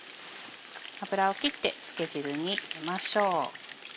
油を切って漬け汁に入れましょう。